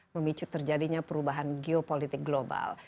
memicu terjadinya perubahan geopolitik global